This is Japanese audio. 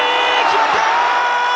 決まった！